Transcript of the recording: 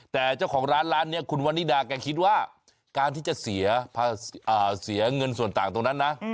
แต่เจ้าของร้านร้านนี้คุณวันนิดาแกคิดว่าการที่จะเสียเงินส่วนต่างตรงนั้นนะ